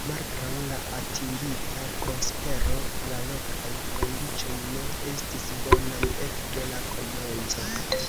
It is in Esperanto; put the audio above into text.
Malgraŭ la atingita prospero, la lokaj kondiĉoj ne estis bonaj ekde la komenco.